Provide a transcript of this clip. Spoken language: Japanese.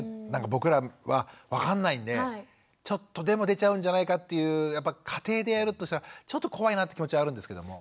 僕らは分かんないんでちょっとでも出ちゃうんじゃないかっていうやっぱ家庭でやるとしたらちょっと怖いなって気持ちはあるんですけれども。